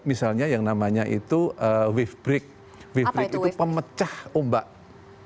misalnya yang namanya itu wave break itu pemecah ombak oke itu pernah pernah dilakukan diterapkan